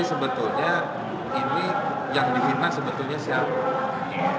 sebetulnya ini yang di fitnah sebetulnya siapa